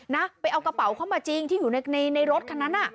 นะไปเอากระเป๋าเข้ามาจริงที่อยู่ในรถคันนั้นน่ะ